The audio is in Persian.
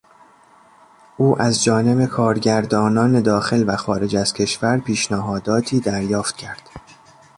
او از جانب کارگردانان داخلو خارج از کشور پیشنهاداتی دریافت کرد.